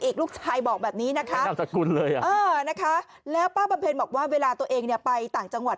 อีกลูกชายบอกแบบนี้นะคะแล้วป้าบำเพลินบอกว่าเวลาตัวเองไปต่างจังหวัด